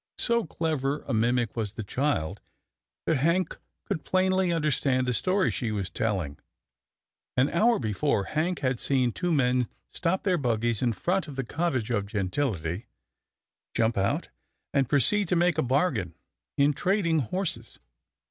So clever a mimic was the child, that Hank could plainly understand the story she was telling. An hour before. Hank had seen two men stop their buggies in front of the cottage of gentility, jump out, and proceed to make a bargain in trading horses.